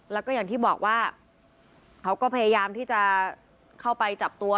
แล้วก็อย่างที่บอกว่าเขาก็พยายามที่จะเข้าไปจับตัว